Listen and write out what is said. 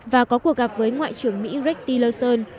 và có cuộc gặp với ngoại trưởng mỹ greg tillerson